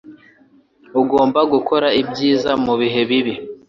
Ugomba gukora ibyiza mubihe bibi